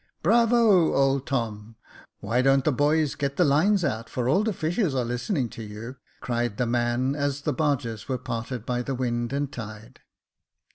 " Bravo, old Tom ! why don't the boys get the lines out, for all the fishes are listening to you," cried the man, as the barges were parted by the wind and tide.